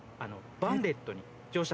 バンデット。